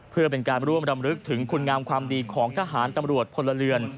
เพื่อเป็นการร่วมรำลึกถึงคุณงามความดีของทหารตำรวจพลเรือน